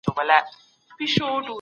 ملتونه چیري د مدني ټولني ملاتړ کوي؟